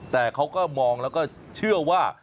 แต่เขาก็มองแล้วก็เชื่อว่า